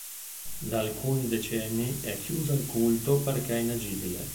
Da alcuni decenni è chiusa al culto perché inagibile.